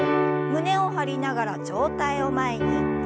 胸を張りながら上体を前に。